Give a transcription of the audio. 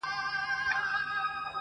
دننه ښه دی، روح يې پر ميدان ښه دی